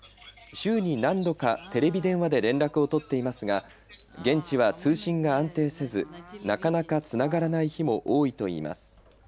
週に何度かテレビ電話で連絡を取っていますが、現地は通信が安定せずなかなかつながらない日も多いといいます。